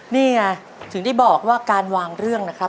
นี่ไงถึงได้บอกว่าการวางเรื่องนะครับ